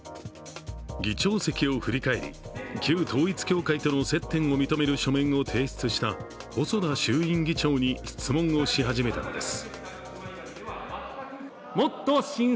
議長席を振り返り、旧統一教会との接点を認める書面を提出した細田衆院議長に質問をし始めたのです。